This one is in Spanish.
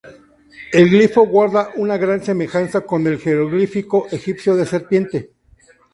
El glifo guarda una gran semejanza con el jeroglífico egipcio de serpiente.